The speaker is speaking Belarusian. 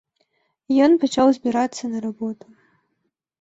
Ён пачаў збірацца на работу.